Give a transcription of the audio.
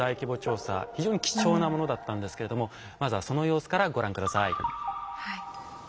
非常に貴重なものだったんですけれどもまずはその様子からご覧下さい。